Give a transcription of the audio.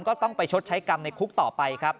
ก็ต้องไปชดใช้กรรมในคุกต่อไปครับ